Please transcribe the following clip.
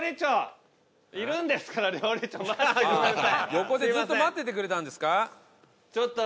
横でずっと待っててくれたんですか？